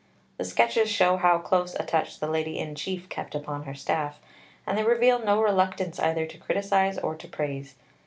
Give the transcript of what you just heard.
The sketches show how close a touch the Lady in Chief kept upon her staff, and they reveal no reluctance either to criticize or to praise.